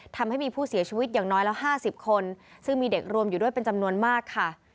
ทำให้มีผู้เสียชีวิตอย่างน้อยแล้ว๕๐คนซึ่งมีเด็กรวมอยู่ด้วยเป็นจำนวนมากค่ะ